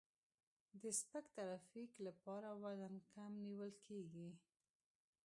د سپک ترافیک لپاره وزن کم نیول کیږي